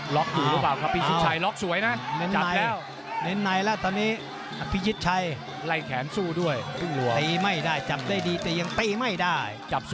ล็อกถูกหรือเปล่าครับวิชิฮร์ไชล็อกสวยนะ